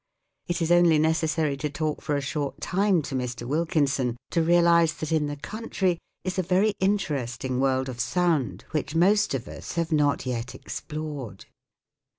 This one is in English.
It is only necessary to talk for a short time to Mr. Wilkinson to realise that in the country is a very interesting world of sound which most of us have not yet explored.